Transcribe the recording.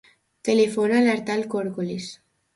Telefona a l'Artal Corcoles.